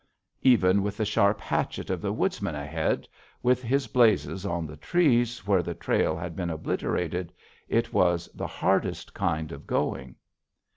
Even with the sharp hatchet of the Woodsman ahead, with his blazes on the trees where the trail had been obliterated, it was the hardest kind of going.